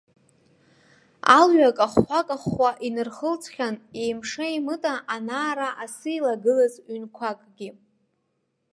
Алҩа кахәхәа-кахәхәа инырхылҵхьан, еимша-еимыта, ана-ара асы илагылаз ҩынқәакгьы.